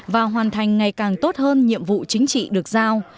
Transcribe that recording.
và hoàn thành ngày càng tốt hơn nhiệm vụ chính trị được giao